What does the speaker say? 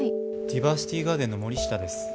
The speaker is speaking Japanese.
ディバーシティガーデンの森下です。